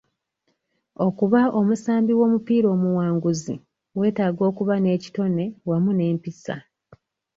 Okuba omusambi w'omupiira omuwanguzi, weetaaga okuba n'ekitone wamu n'empisa.